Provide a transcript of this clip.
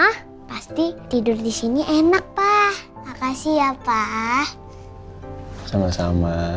harus jadi anak yang pemaaf